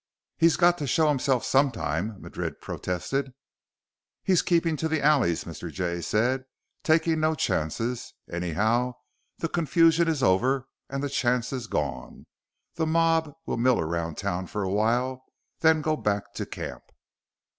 "He's got to show himself sometime," Madrid protested. "He's keeping to the alleys," Mr. Jay said, "taking no chances. Anyhow, the confusion is over and the chance is gone. The mob will mill around town for a while, then go back to camp."